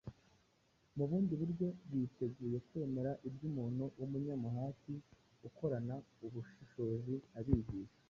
mu bundi buryo biteguye kwemera ibyo umuntu w’umunyamuhati ukorana ubushishozi abigisha.